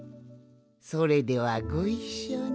それではごいっしょに。